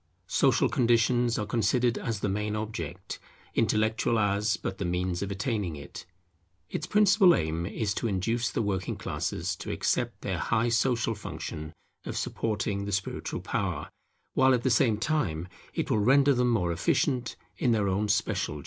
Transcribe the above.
Social conditions are considered as the main object, intellectual as but the means of attaining it. Its principal aim is to induce the working classes to accept their high social function of supporting the spiritual power, while at the same time it will render them more efficient in their own special duties.